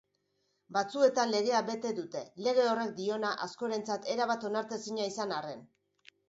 Batzuetan legea bete dute, lege horrek diona askorentzat erabat onartezina izan arren.